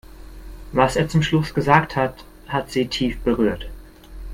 Was er zum Schluss gesagt hat, hat sie tief berührt.